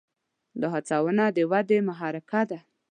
دا هڅونه د ودې محرکه ده.